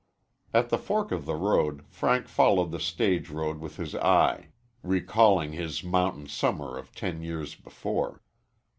At the fork of the road Frank followed the stage road with his eye, recalling his mountain summer of ten years before.